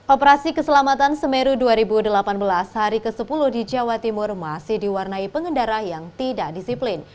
operasi keselamatan semeru dua ribu delapan belas hari ke sepuluh di jawa timur masih diwarnai pengendara yang tidak disiplin